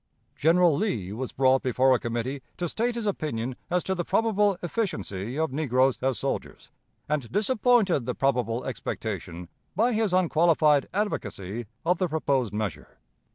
'" General Lee was brought before a committee to state his opinion as to the probable efficiency of negroes as soldiers, and disappointed the probable expectation by his unqualified advocacy of the proposed measure.